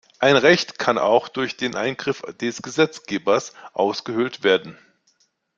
Ein Recht kann auch durch den Eingriff des Gesetzgebers ausgehöhlt werden.